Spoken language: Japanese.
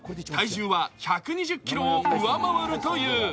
体重は１２０ｋｇを上回るという。